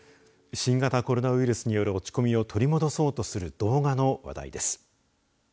新型コロナウイルスによる落ち込みを取り戻そうとする動画の話題です。